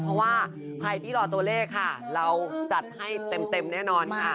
เพราะว่าใครที่รอตัวเลขค่ะเราจัดให้เต็มแน่นอนค่ะ